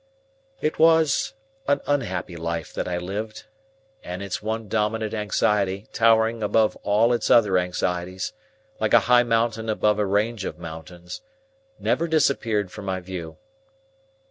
It was an unhappy life that I lived; and its one dominant anxiety, towering over all its other anxieties, like a high mountain above a range of mountains, never disappeared from my view.